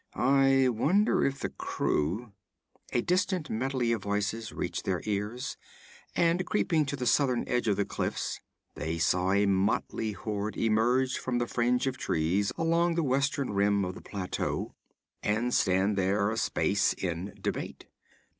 'I wonder if the crew ' A distant medley of voices reached their ears, and creeping to the southern edge of the cliffs, they saw a motley horde emerge from the fringe of trees along the western rim of the plateau, and stand there a space in debate.